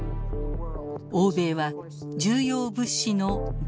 欧米は重要物資の脱